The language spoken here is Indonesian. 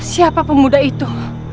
siapa pemuda itu